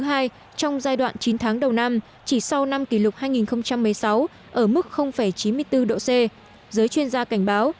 trong giai đoạn chín tháng đầu năm chỉ sau năm kỷ lục hai nghìn một mươi sáu ở mức chín mươi bốn độ c giới chuyên gia cảnh báo